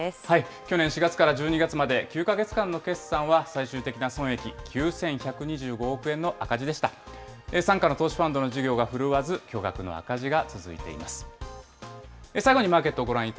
去年４月から１２月まで、９か月間の決算は、最終的な損益、９１２５億円の赤字でした。